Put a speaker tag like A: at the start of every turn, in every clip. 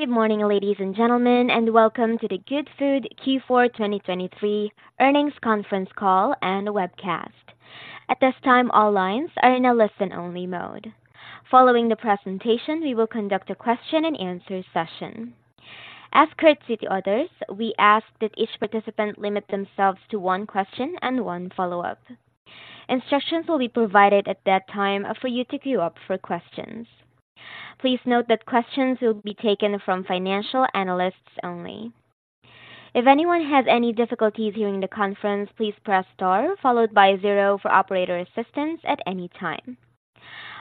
A: Good morning, ladies and gentlemen, and welcome to the Goodfood Q4 2023 earnings conference call and webcast. At this time, all lines are in a listen-only mode. Following the presentation, we will conduct a Q&A session. As courtesy to others, we ask that each participant limit themselves to one question and one follow-up. Instructions will be provided at that time for you to queue up for questions. Please note that questions will be taken from financial analysts only. If anyone has any difficulties hearing the conference, please press Star, followed by zero for operator assistance at any time.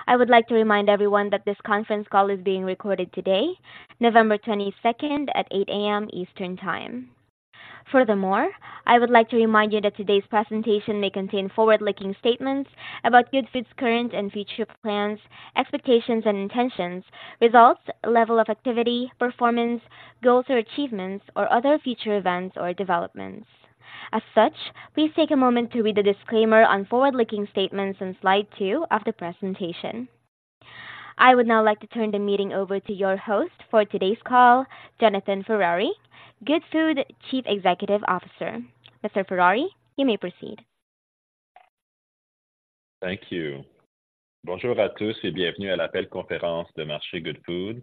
A: I would like to remind everyone that this conference call is being recorded today, November 22, at 8:00 AM. Eastern Time. Furthermore, I would like to remind you that today's presentation may contain forward-looking statements about Goodfood's current and future plans, expectations and intentions, results, level of activity, performance, goals or achievements, or other future events or developments. As such, please take a moment to read the disclaimer on forward-looking statements on slide 2 of the presentation. I would now like to turn the meeting over to your host for today's call, Jonathan Ferrari, Goodfood Chief Executive Officer. Mr. Ferrari, you may proceed.
B: Thank you. Bonjour à tous et bienvenue à l'appel de conférence de Goodfood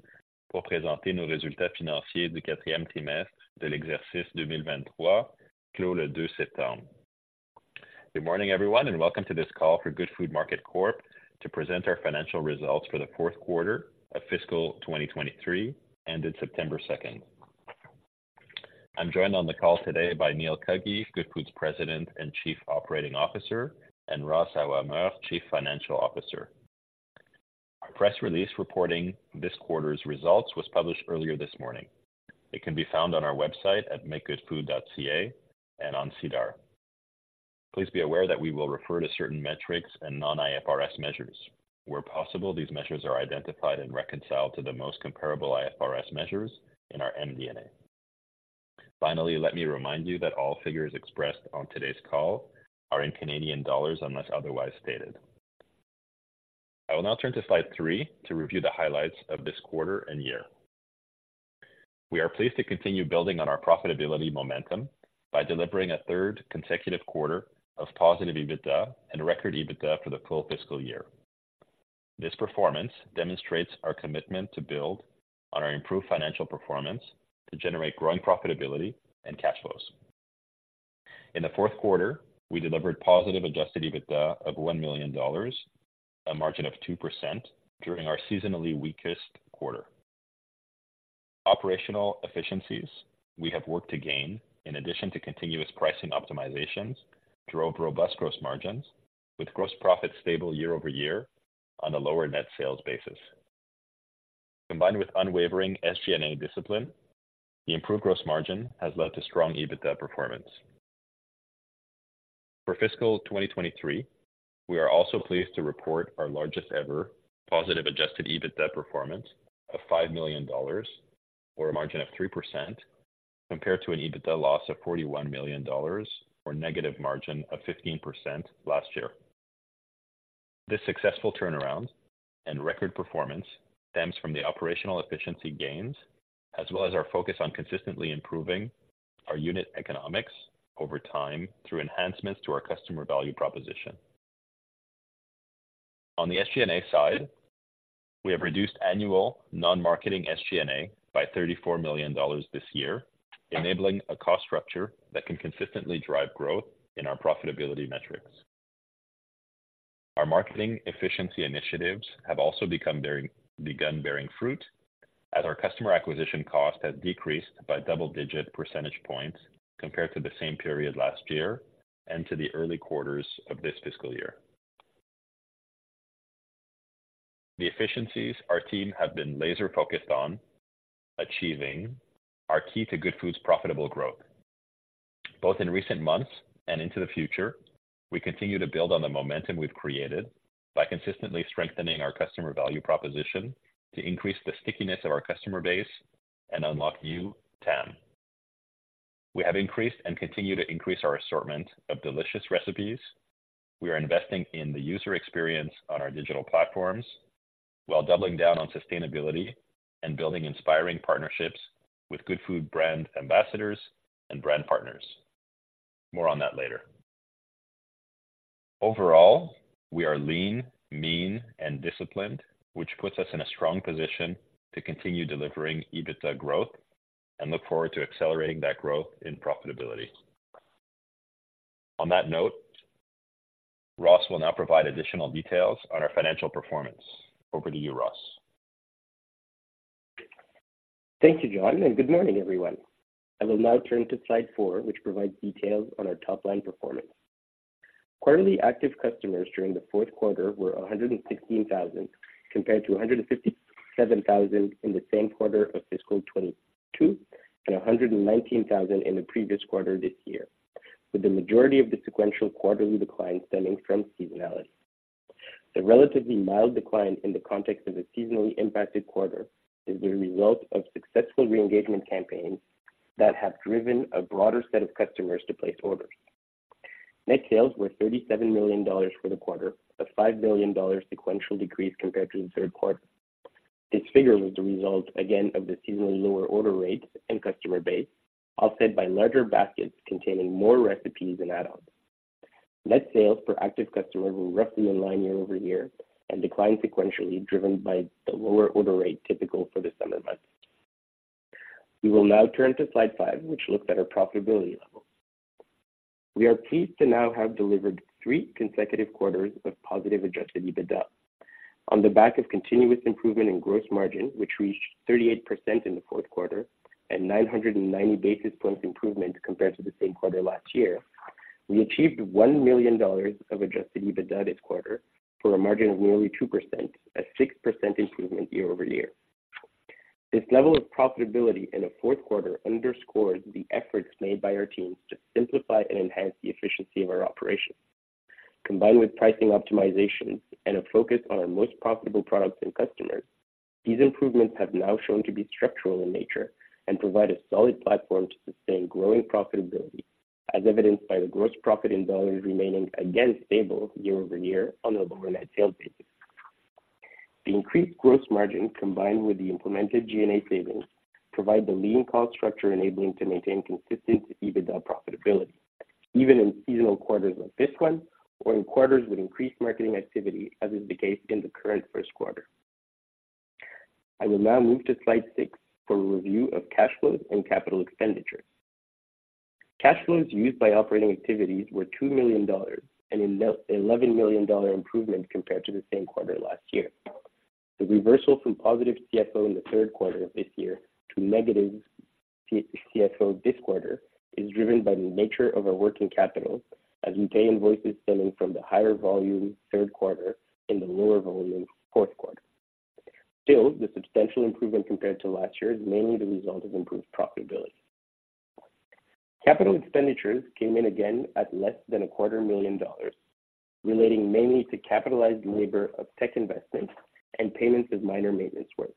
B: pour présenter nos résultats financiers du quatrième trimestre de l'exercice 2023, clos le 2 septembre. Good morning, everyone, and welcome to this call for Goodfood Market Corp. to present our financial results for the Q4 of fiscal 2023, ended September 2. I'm joined on the call today by Neil Cuggy, Goodfood's President and Chief Operating Officer, and Ross Aouameur, Chief Financial Officer. Our press release reporting this quarter's results was published earlier this morning. It can be found on our website at makegoodfood.ca and on SEDAR. Please be aware that we will refer to certain metrics and non-IFRS measures. Where possible, these measures are identified and reconciled to the most comparable IFRS measures in our MD&A. Finally, let me remind you that all figures expressed on today's call are in Canadian dollars, unless otherwise stated. I will now turn to slide 3 to review the highlights of this quarter and year. We are pleased to continue building on our profitability momentum by delivering a third consecutive quarter of positive EBITDA and record EBITDA for the full fiscal year. This performance demonstrates our commitment to build on our improved financial performance to generate growing profitability and cash flows. In the Q4, we delivered positive adjusted EBITDA of 1 million dollars, a margin of 2% during our seasonally weakest quarter. Operational efficiencies we have worked to gain, in addition to continuous pricing optimizations, drove robust gross margins, with gross profits stable year-over-year on a lower net sales basis. Combined with unwavering SG&A discipline, the improved gross margin has led to strong EBITDA performance. For fiscal 2023, we are also pleased to report our largest-ever positive adjusted EBITDA performance of 5 million dollars, or a margin of 3%, compared to an EBITDA loss of 41 million dollars or negative margin of 15% last year. This successful turnaround and record performance stems from the operational efficiency gains, as well as our focus on consistently improving our unit economics over time through enhancements to our customer value proposition. On the SG&A side, we have reduced annual non-marketing SG&A by 34 million dollars this year, enabling a cost structure that can consistently drive growth in our profitability metrics. Our marketing efficiency initiatives have also begun bearing fruit, as our customer acquisition cost has decreased by double-digit percentage points compared to the same period last year and to the early quarters of this fiscal year. The efficiencies our team have been laser-focused on achieving are key to Goodfood's profitable growth. Both in recent months and into the future, we continue to build on the momentum we've created by consistently strengthening our customer value proposition to increase the stickiness of our customer base and unlock new TAM. We have increased and continue to increase our assortment of delicious recipes. We are investing in the user experience on our digital platforms while doubling down on sustainability and building inspiring partnerships with Goodfood brand ambassadors and brand partners. More on that later. Overall, we are lean, mean, and disciplined, which puts us in a strong position to continue delivering EBITDA growth and look forward to accelerating that growth in profitability. On that note, Ross will now provide additional details on our financial performance. Over to you, Ross.
C: Thank you, John, and good morning, everyone. I will now turn to slide 4, which provides details on our top-line performance. Quarterly active customers during the Q4 were 115,000, compared to 157,000 in the same quarter of fiscal 2022 and 119,000 in the previous quarter this year, with the majority of the sequential quarterly decline stemming from seasonality. The relatively mild decline in the context of a seasonally impacted quarter is the result of successful re-engagement campaigns that have driven a broader set of customers to place orders. Net sales were 37 million dollars for the quarter, a 5 million dollar sequential decrease compared to the Q3. This figure was the result, again, of the seasonally lower order rates and customer base, offset by larger baskets containing more recipes and add-ons. Net sales per active customer were roughly in line year-over-year and declined sequentially, driven by the lower order rate typical for the summer months. We will now turn to slide 5, which looks at our profitability level. We are pleased to now have delivered three consecutive quarters of positive Adjusted EBITDA on the back of continuous improvement in gross margin, which reached 38% in the Q4 and 990 basis points improvement compared to the same quarter last year. We achieved 1 million dollars of Adjusted EBITDA this quarter, for a margin of nearly 2%, a 6% improvement year-over-year. This level of profitability in the Q4 underscores the efforts made by our teams to simplify and enhance the efficiency of our operations. Combined with pricing optimizations and a focus on our most profitable products and customers, these improvements have now shown to be structural in nature and provide a solid platform to sustain growing profitability, as evidenced by the gross profit in dollars remaining again stable year-over-year on a lower net sales basis. The increased gross margin, combined with the implemented SG&A savings, provide the lean cost structure enabling to maintain consistent EBITDA profitability, even in seasonal quarters like this one or in quarters with increased marketing activity, as is the case in the current Q1. I will now move to slide 6 for a review of cash flows and capital expenditures. Cash flows used by operating activities were 2 million dollars, a 11 million dollar improvement compared to the same quarter last year. The reversal from positive CFO in the Q3 of this year to negative CFO this quarter is driven by the nature of our working capital, as we pay invoices stemming from the higher volume Q3 and the lower volume Q4. Still, the substantial improvement compared to last year is mainly the result of improved profitability. Capital expenditures came in again at less than 250,000 dollars, relating mainly to capitalized labor of tech investments and payments of minor maintenance work.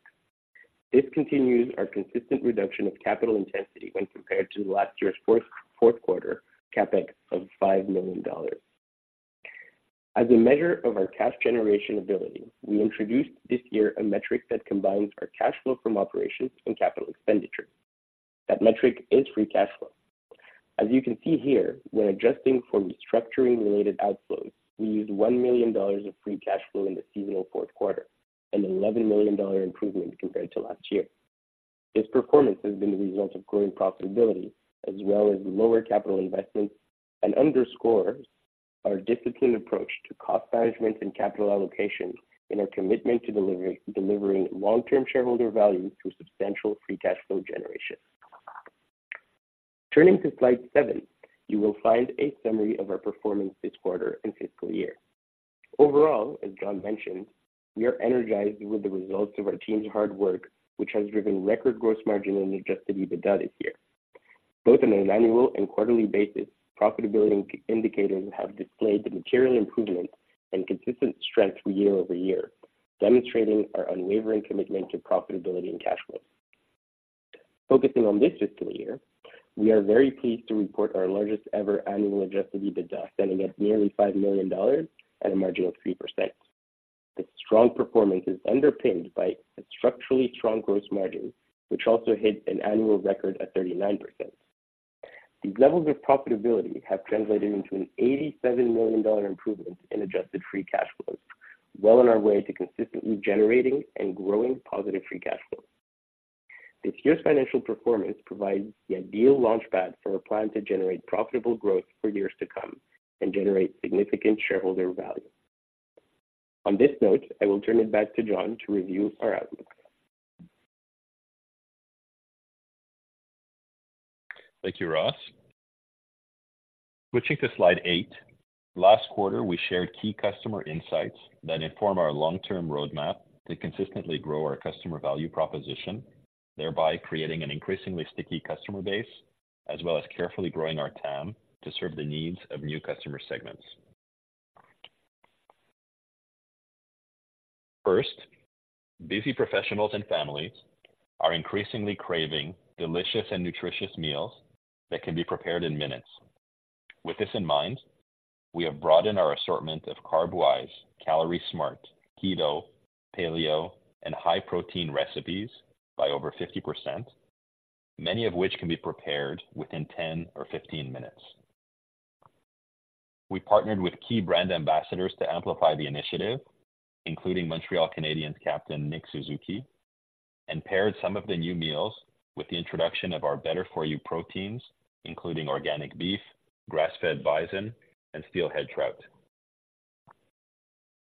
C: This continues our consistent reduction of capital intensity when compared to last year's Q4 CapEx of 5 million dollars. As a measure of our cash generation ability, we introduced this year a metric that combines our cash flow from operations and capital expenditures. That metric is free cash flow. As you can see here, when adjusting for restructuring-related outflows, we used 1 million dollars of free cash flow in the seasonal Q4, a 11 million dollar improvement compared to last year. This performance has been the result of growing profitability as well as lower capital investments, and underscores our disciplined approach to cost management and capital allocation, and our commitment to delivering long-term shareholder value through substantial free cash flow generation. Turning to slide 7, you will find a summary of our performance this quarter and fiscal year. Overall, as John mentioned, we are energized with the results of our team's hard work, which has driven record gross margin and Adjusted EBITDA this year. Both on an annual and quarterly basis, profitability indicators have displayed the material improvement and consistent strength year-over-year, demonstrating our unwavering commitment to profitability and cash flow. Focusing on this fiscal year, we are very pleased to report our largest ever annual Adjusted EBITDA, standing at nearly 5 million dollars at a margin of 3%. This strong performance is underpinned by a structurally strong gross margin, which also hit an annual record at 39%. These levels of profitability have translated into a 87 million dollar improvement in adjusted free cash flows, well on our way to consistently generating and growing positive free cash flow. This year's financial performance provides the ideal launchpad for our plan to generate profitable growth for years to come and generate significant shareholder value. On this note, I will turn it back to John to review our outlook.
B: Thank you, Ross. Switching to slide 8. Last quarter, we shared key customer insights that inform our long-term roadmap to consistently grow our customer value proposition, thereby creating an increasingly sticky customer base, as well as carefully growing our TAM to serve the needs of new customer segments. First, busy professionals and families are increasingly craving delicious and nutritious meals that can be prepared in minutes. With this in mind, we have broadened our assortment of carb-wise, calorie smart, keto, paleo, and high-protein recipes by over 50%, many of which can be prepared within 10 or 15 minutes. We partnered with key brand ambassadors to amplify the initiative, including Montreal Canadiens captain Nick Suzuki, and paired some of the new meals with the introduction of our Better For You proteins, including organic beef, grass-fed bison, and steelhead trout.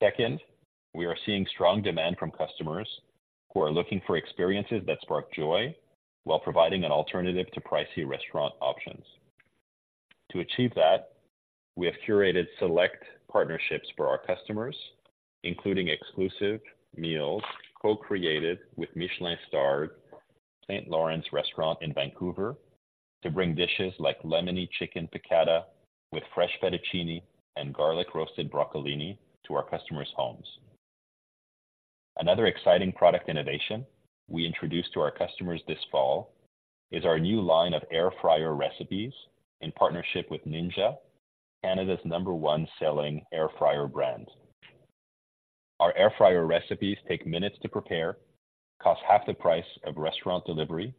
B: Second, we are seeing strong demand from customers who are looking for experiences that spark joy while providing an alternative to pricey restaurant options. To achieve that, we have curated select partnerships for our customers, including exclusive meals co-created with Michelin-starred St. Lawrence Restaurant in Vancouver, to bring dishes like lemony chicken piccata with fresh fettuccine and garlic roasted broccolini to our customers' homes. Another exciting product innovation we introduced to our customers this fall is our new line of air fryer recipes in partnership with Ninja, Canada's number one selling air fryer brand. Our air fryer recipes take minutes to prepare, cost half the price of restaurant delivery,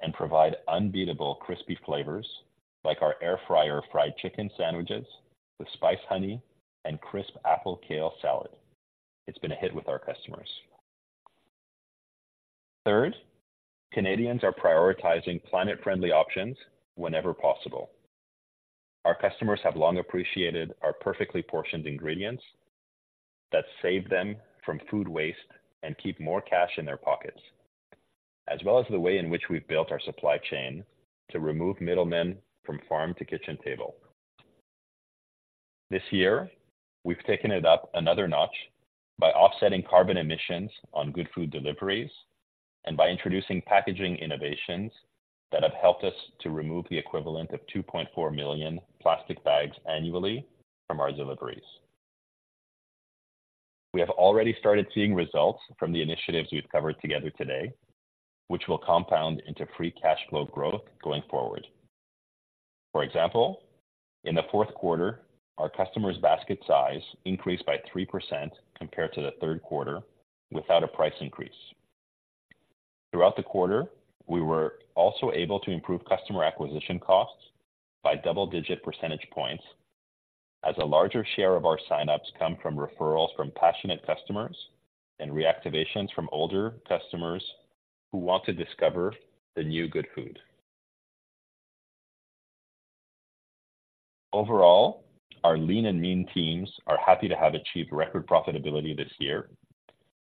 B: and provide unbeatable crispy flavors, like our air fryer fried chicken sandwiches with spice honey and crisp apple kale salad. It's been a hit with our customers. Third, Canadians are prioritizing planet-friendly options whenever possible. Our customers have long appreciated our perfectly portioned ingredients that save them from food waste and keep more cash in their pockets, as well as the way in which we've built our supply chain to remove middlemen from farm to kitchen table. This year, we've taken it up another notch by offsetting carbon emissions on Goodfood deliveries and by introducing packaging innovations that have helped us to remove the equivalent of 2.4 million plastic bags annually from our deliveries. We have already started seeing results from the initiatives we've covered together today, which will compound into free cash flow growth going forward. For example, in the Q4, our customers' basket size increased by 3% compared to the Q3 without a price increase. Throughout the quarter, we were also able to improve customer acquisition costs by double-digit percentage points, as a larger share of our sign-ups come from referrals from passionate customers and reactivations from older customers who want to discover the new Goodfood. Overall, our lean and mean teams are happy to have achieved record profitability this year.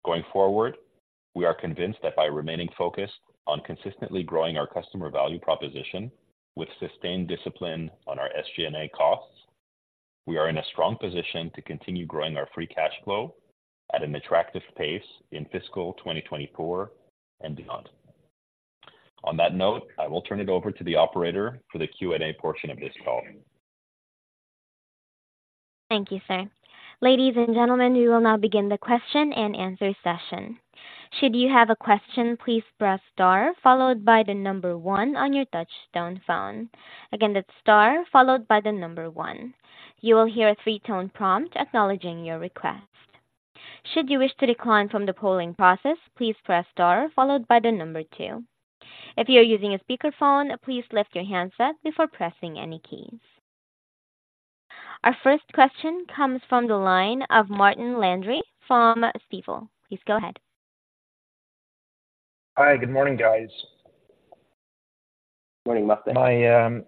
B: Going forward, we are convinced that by remaining focused on consistently growing our customer value proposition with sustained discipline on our SG&A costs, we are in a strong position to continue growing our free cash flow at an attractive pace in fiscal 2024 and beyond. On that note, I will turn it over to the operator for the Q&A portion of this call.
A: Thank you, sir. Ladies and gentlemen, we will now begin the Q&A session. Should you have a question, please press star followed by the number one on your touchtone phone. Again, that's star followed by the number one. You will hear a three-tone prompt acknowledging your request. Should you wish to decline from the polling process, please press star followed by the number two. If you're using a speakerphone, please lift your handset before pressing any keys. Our first question comes from the line of Martin Landry from Stifel. Please go ahead.
D: Hi, good morning, guys.
C: Morning, Martin.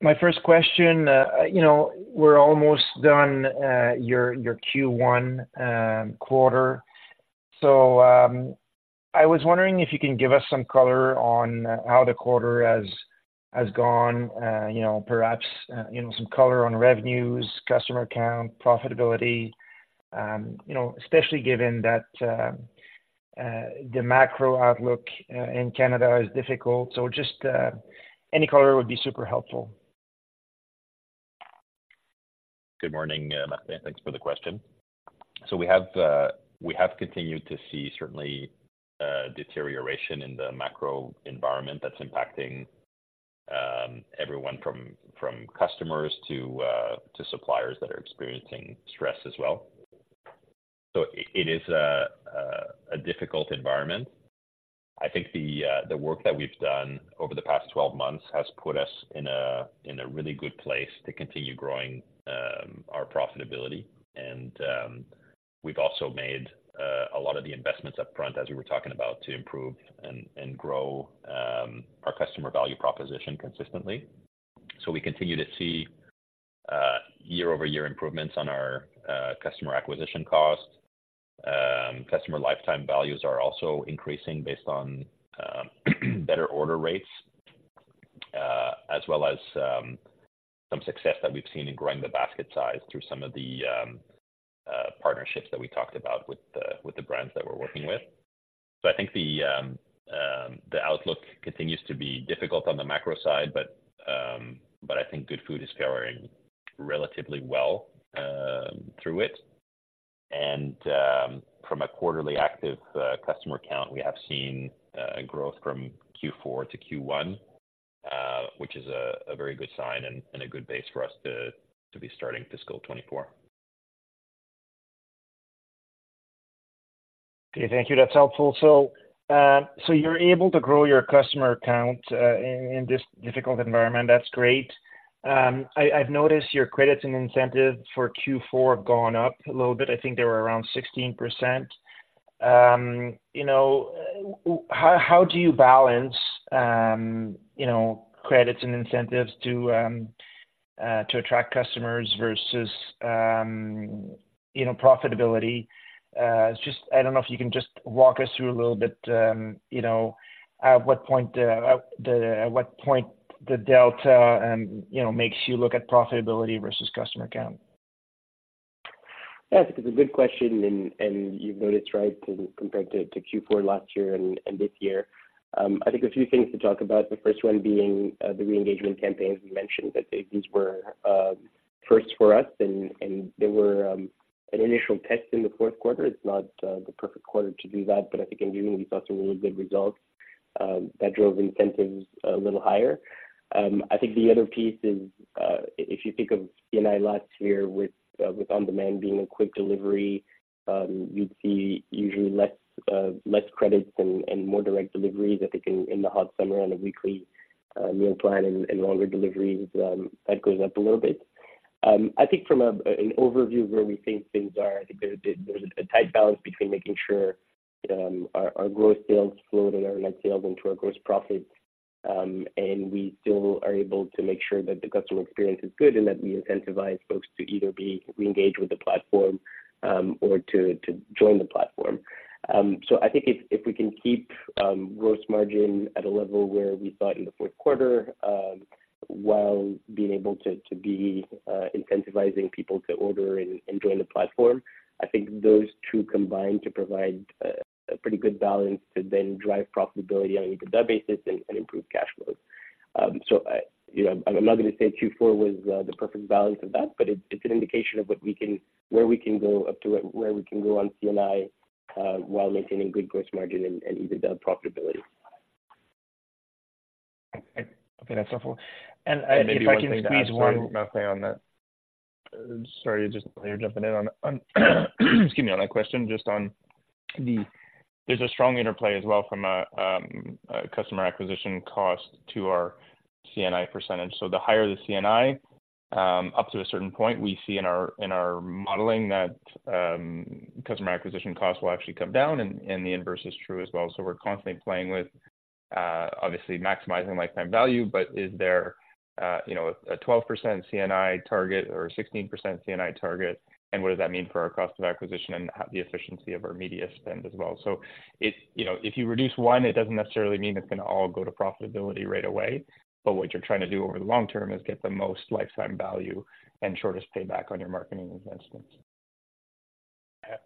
B: My first question, you know, we're almost done your Q1 quarter. So, I was wondering if you can give us some color on how the quarter has gone, you know, perhaps some color on revenues, customer count, profitability. You know, especially given that the macro outlook in Canada is difficult. So just any color would be super helpful. Good morning, Martin. Thanks for the question. So we have continued to see certainly deterioration in the macro environment that's impacting everyone from customers to suppliers that are experiencing stress as well. So it is a difficult environment. I think the work that we've done over the past 12 months has put us in a really good place to continue growing our profitability. And we've also made a lot of the investments upfront, as we were talking about, to improve and grow our customer value proposition consistently. So we continue to see year-over-year improvements on our customer acquisition costs. Customer lifetime values are also increasing based on better order rates, as well as some success that we've seen in growing the basket size through some of the partnerships that we talked about with the brands that we're working with. So I think the outlook continues to be difficult on the macro side, but I think Goodfood is faring relatively well through it. And from a quarterly active customer count, we have seen growth from Q4 to Q1, which is a very good sign and a good base for us to be starting fiscal 2024. Okay, thank you. That's helpful. So, so you're able to grow your customer count in this difficult environment. That's great. I've noticed your credits and incentives for Q4 have gone up a little bit. I think they were around 16%. You know, how do you balance, you know, credits and incentives to to attract customers versus, you know, profitability? It's just... I don't know if you can just walk us through a little bit, you know, at what point the delta, you know, makes you look at profitability versus customer count.
C: Yeah, I think it's a good question, and you've noticed, right, compared to Q4 last year and this year. I think a few things to talk about, the first one being the re-engagement campaigns we mentioned, that these were first for us, and they were an initial test in the Q4. It's not the perfect quarter to do that, but I think in June we saw some really good results that drove incentives a little higher. I think the other piece is, if you think of C&I last year with on-demand being a quick delivery, you'd see usually less credits and more direct deliveries. I think in the hot summer on a weekly meal plan and longer deliveries, that goes up a little bit. I think from an overview of where we think things are, I think there's a tight balance between making sure our growth sales flow to our net sales into our gross profits. And we still are able to make sure that the customer experience is good and that we incentivize folks to either re-engage with the platform or to join the platform. So I think if we can keep gross margin at a level where we thought in the Q4 while being able to be incentivizing people to order and join the platform, I think those two combine to provide a pretty good balance to then drive profitability on an EBITDA basis and improve cash flow. So, you know, I'm not gonna say Q4 was the perfect balance of that, but it's, it's an indication of what we can - where we can go up to where we can go on CNI, while maintaining good gross margin and EBITDA profitability.
B: Okay, that's helpful. And if I can squeeze one- Maybe one thing to add, Martin, on that. Sorry, just you're jumping in on, excuse me, on that question, just on the... There's a strong interplay as well from a customer acquisition cost to our CNI percentage. So the higher the CNI, up to a certain point, we see in our modeling that customer acquisition costs will actually come down, and the inverse is true as well. So we're constantly playing with, obviously maximizing lifetime value, but is there, you know, a 12% CNI target or a 16% CNI target? And what does that mean for our cost of acquisition and the efficiency of our media spend as well? If, you know, if you reduce one, it doesn't necessarily mean it's gonna all go to profitability right away, but what you're trying to do over the long term is get the most lifetime value and shortest payback on your marketing investments. Yeah.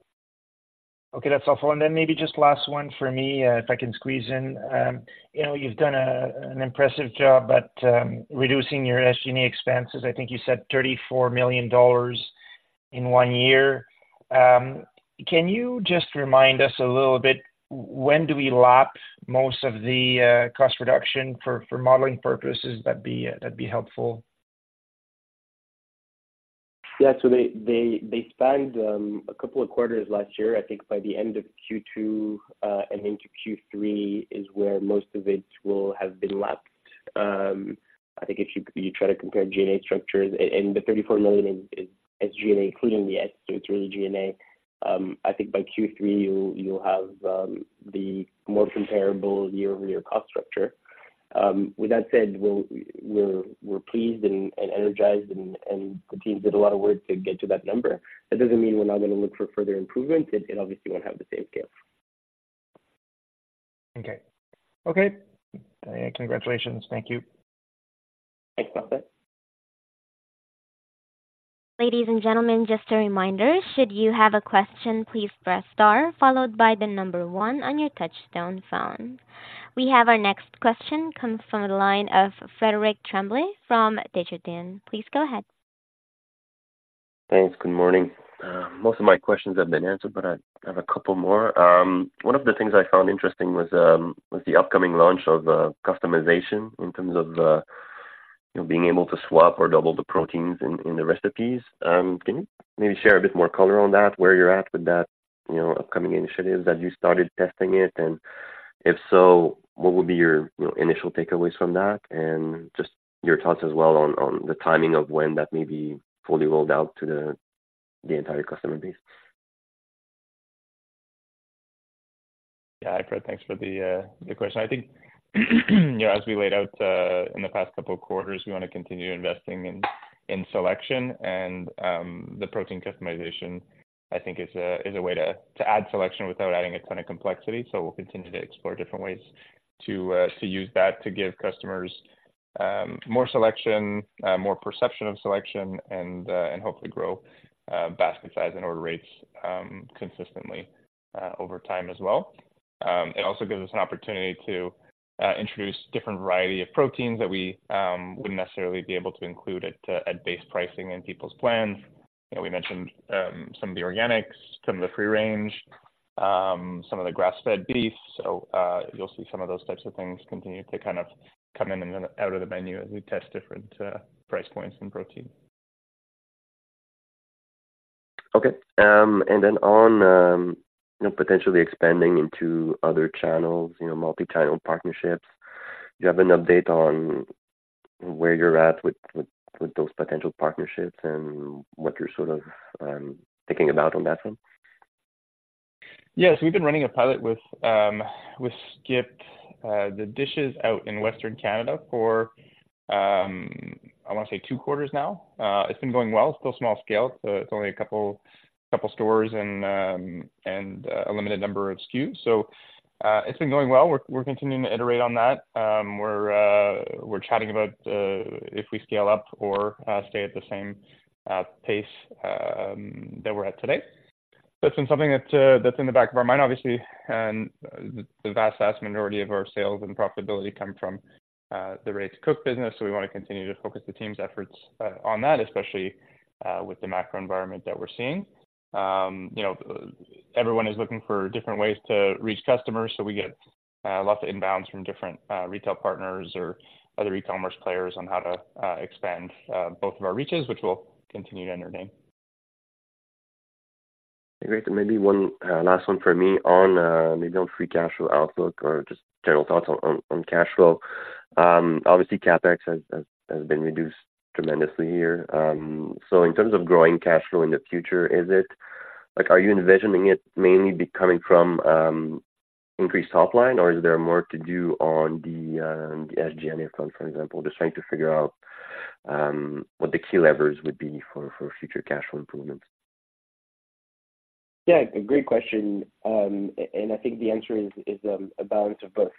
B: Okay, that's helpful. And then maybe just last one for me, if I can squeeze in. You know, you've done an impressive job at reducing your SG&A expenses. I think you said 34 million dollars in one year. Can you just remind us a little bit, when do we lap most of the cost reduction for modeling purposes? That'd be helpful.
C: Yeah. So they spanned a couple of quarters last year. I think by the end of Q2, and into Q3 is where most of it will have been lapped. I think if you try to compare G&A structures, and the 34 million is G&A, including the S, so it's really G&A. I think by Q3, you'll have the more comparable year-over-year cost structure. With that said, we're pleased and energized and the team did a lot of work to get to that number. That doesn't mean we're not gonna look for further improvement. It obviously won't have the same scale.
D: Okay, congratulations. Thank you.
C: Thanks, Martin.
A: Ladies and gentlemen, just a reminder, should you have a question, please press star followed by the number one on your touchtone phone. We have our next question coming from the line of Frederic Tremblay from Desjardins. Please go ahead.
E: Thanks. Good morning. Most of my questions have been answered, but I have a couple more. One of the things I found interesting was the upcoming launch of customization in terms of, you know, being able to swap or double the proteins in the recipes. Can you maybe share a bit more color on that, where you're at with that, you know, upcoming initiatives, that you started testing it? And if so, what would be your, you know, initial takeaways from that? And just your thoughts as well on the timing of when that may be fully rolled out to the entire customer base.
B: Yeah, Fred, thanks for the question. I think, you know, as we laid out in the past couple of quarters, we want to continue investing in selection. And the protein customization, I think, is a way to add selection without adding a ton of complexity. So we'll continue to explore different ways to use that to give customers more selection, more perception of selection, and hopefully grow basket size and order rates consistently over time as well. It also gives us an opportunity to introduce different variety of proteins that we wouldn't necessarily be able to include at base pricing in people's plans. You know, we mentioned some of the organics, some of the free-range, some of the grass-fed beef. So, you'll see some of those types of things continue to kind of come in and then out of the menu as we test different price points and protein.
E: Okay. And then on, you know, potentially expanding into other channels, you know, multi-channel partnerships, do you have an update on where you're at with those potential partnerships and what you're sort of thinking about on that front?
B: Yes, we've been running a pilot with SkipTheDishes out in Western Canada for, I want to say two quarters now. It's been going well, still small scale, so it's only a couple stores and a limited number of SKUs. So, it's been going well. We're continuing to iterate on that. We're chatting about if we scale up or stay at the same pace that we're at today. That's been something that's in the back of our mind, obviously, and the vast majority of our sales and profitability come from the Ready to Cook business, so we wanna continue to focus the team's efforts on that, especially with the macro environment that we're seeing. You know, everyone is looking for different ways to reach customers, so we get lots of inbounds from different retail partners or other e-commerce players on how to expand both of our reaches, which we'll continue to entertain.
E: Great. And maybe one last one for me on maybe on free cash flow outlook or just general thoughts on cash flow. Obviously, CapEx has been reduced tremendously here. So in terms of growing cash flow in the future, is it... Like, are you envisioning it mainly be coming from increased top line, or is there more to do on the SG&A account, for example? Just trying to figure out what the key levers would be for future cash flow improvements.
C: Yeah, a great question. I think the answer is a balance of both.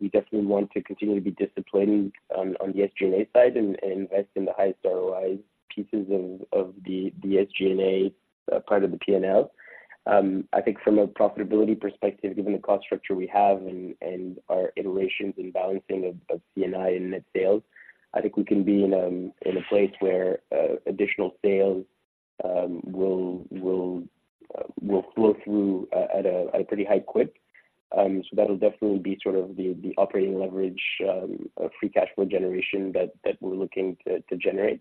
C: We definitely want to continue to be disciplined on the SG&A side and invest in the highest ROI pieces of the SG&A part of the P&L. I think from a profitability perspective, given the cost structure we have and our iterations and balancing of CNI and net sales, I think we can be in a place where additional sales will flow through at a pretty high quick. So that'll definitely be sort of the operating leverage of free cash flow generation that we're looking to generate.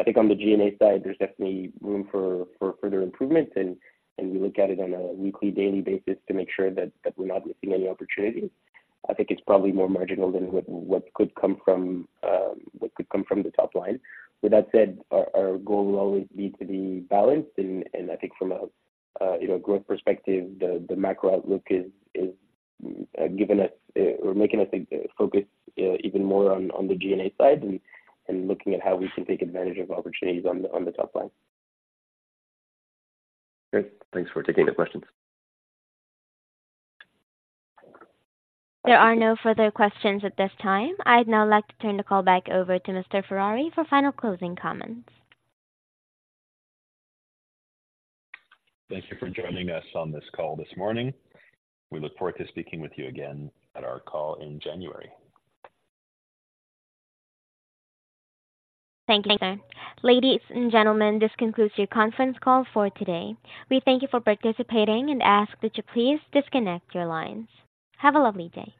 C: I think on the G&A side, there's definitely room for further improvement, and we look at it on a weekly, daily basis to make sure that we're not missing any opportunities. I think it's probably more marginal than what could come from the top line. With that said, our goal will always be to be balanced, and I think from a you know, growth perspective, the macro outlook is giving us or making us focus even more on the G&A side and looking at how we can take advantage of opportunities on the top line.
E: Great. Thanks for taking the questions.
A: There are no further questions at this time. I'd now like to turn the call back over to Mr. Ferrari for final closing comments.
B: Thank you for joining us on this call this morning. We look forward to speaking with you again at our call in January.
A: Thank you, sir. Ladies and gentlemen, this concludes your conference call for today. We thank you for participating and ask that you please disconnect your lines. Have a lovely day.